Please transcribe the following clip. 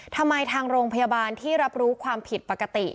ทางโรงพยาบาลที่รับรู้ความผิดปกติ